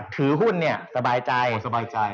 ถือหุ้นสบายใจ